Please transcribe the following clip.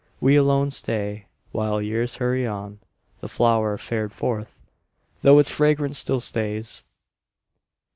We alone stay While years hurry on, The flower fared forth, though its fragrance still stays.